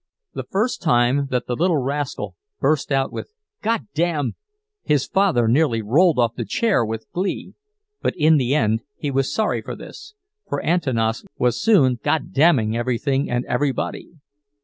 The first time that the little rascal burst out with "God damn," his father nearly rolled off the chair with glee; but in the end he was sorry for this, for Antanas was soon "God damning" everything and everybody.